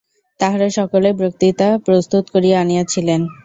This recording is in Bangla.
তাঁহারা সকলেই বক্তৃতা প্রস্তুত করিয়া আনিয়াছিলেন।